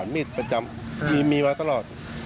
มีมาตลอด